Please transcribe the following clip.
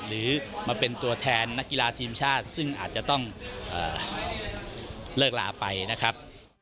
หรือมาเป็นตัวแทนนักกีฬาทีมชาติซึ่งอาจจะต้องเลิกลาไปนะครับ